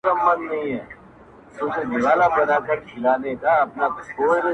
معلوميږي چي موسم رانه خفه دی.